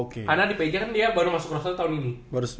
karena di pj kan dia baru masuk roster tahun ini